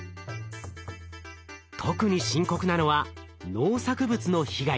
特に深刻なのは農作物の被害。